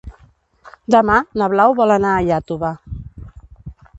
Demà na Blau vol anar a Iàtova.